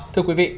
thưa quý vị